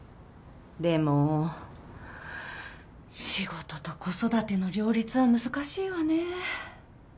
でも仕事と子育ての両立は難しいわね。